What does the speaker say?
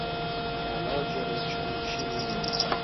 Calogero Ciancimino.